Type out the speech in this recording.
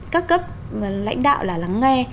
các cấp lãnh đạo là lắng nghe